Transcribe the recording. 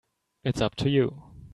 It's up to you.